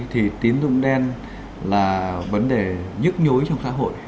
thì tín dụng đen là vấn đề nhức nhối trong xã hội